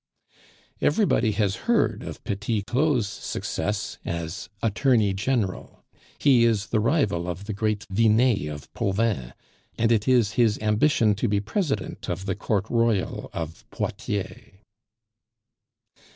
Everybody has heard of Petit Claud's success as attorney general; he is the rival of the great Vinet of Provins, and it is his ambition to be President of the Court Royal of Poitiers.